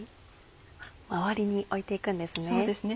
周りに置いて行くんですね。